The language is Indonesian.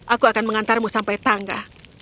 aku akan mengantarmu sampai tangga